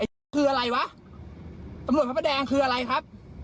ไม่แล้วเขาตำรวจพระพะแดงหรือเปล่าล่ะ